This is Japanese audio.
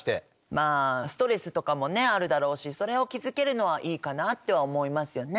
まあストレスとかもねあるだろうしそれを気付けるのはいいかなとは思いますよね。